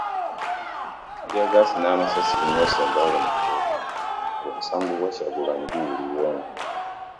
Ttiiyaggaasi n'amasasi binyoose e Mbale ku kkooti nga omusango gwa Kyagulanyi guwulirwa